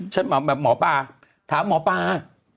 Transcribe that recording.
ฉันมาแบบหมอปลาถามหมอปลา